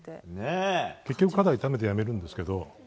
結局、肩痛めてやめるんですけど。